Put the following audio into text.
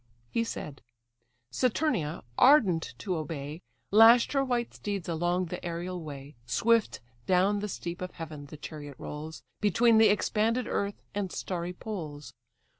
He said; Saturnia, ardent to obey, Lash'd her white steeds along the aerial way. Swift down the steep of heaven the chariot rolls, Between the expanded earth and starry poles.